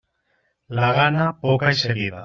La gana, poca i seguida.